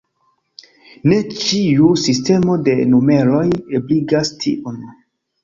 Ne ĉiu sistemo de numeroj ebligas tiun.